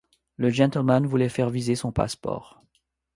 Le gentleman voulait faire viser son passe-port.